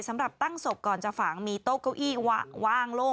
สำหรับตั้งศพก่อนจะฝังมีโต๊ะเก้าอี้ว่างโล่ง